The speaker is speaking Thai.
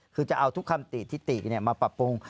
คือจะเอาทุกคำติทิติมาปรับปรุง